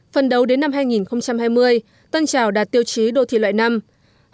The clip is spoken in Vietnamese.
tân trào đã đạt tiêu chí đô thị loại năm phần đầu đến năm hai nghìn hai mươi